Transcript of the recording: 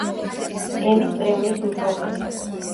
ემის პრემიის მფლობელი.